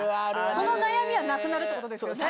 その悩みはなくなるってことですよね。